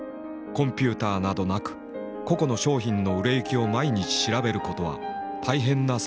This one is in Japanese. コンピューターなどなく個々の商品の売れ行きを毎日調べることは大変な作業になる。